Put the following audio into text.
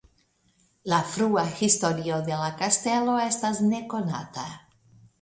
La frua historio de la kastelo estas nekonata.